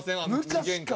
昔から。